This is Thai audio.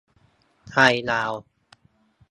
ไทยลาว